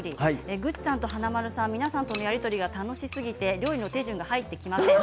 グッチさんと華丸さん、皆さんとのやり取りが楽しすぎて料理の手順が入っていきません。